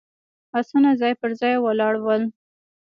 آسونه ځای پر ځای ولاړ ول.